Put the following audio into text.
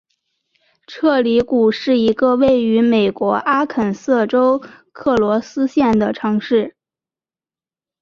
彻里谷是一个位于美国阿肯色州克罗斯县的城市。